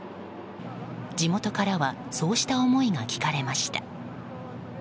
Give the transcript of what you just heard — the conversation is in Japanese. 地元からはそうした思いが聞かれました。